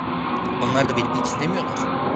Onlar da beni pek istemiyorlar.